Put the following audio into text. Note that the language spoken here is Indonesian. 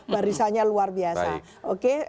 barisanya luar biasa oke